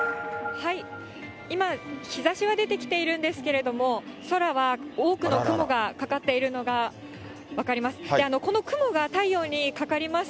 今、日ざしは出てきているんですけれども、空は多くの雲がかかっているのが分かります。